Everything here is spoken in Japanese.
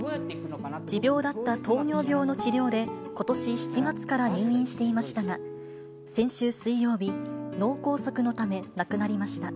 持病だった糖尿病の治療で、ことし７月から入院していましたが、先週水曜日、脳梗塞のため亡くなりました。